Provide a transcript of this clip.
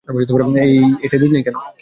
এই এটায় বীজ নেই কেন?